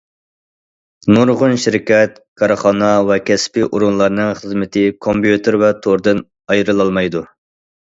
نۇرغۇن شىركەت، كارخانا ۋە كەسپىي ئورۇنلارنىڭ خىزمىتى كومپيۇتېر ۋە توردىن ئايرىلالمايدۇ.